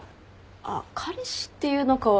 あっ彼氏っていうのかは。